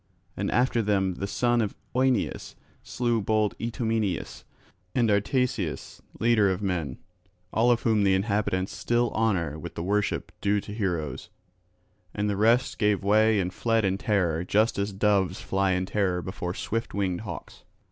And after them the son of Oeneus slew bold Itomeneus, and Artaceus, leader of men; all of whom the inhabitants still honour with the worship due to heroes. And the rest gave way and fled in terror just as doves fly in terror before swift winged hawks.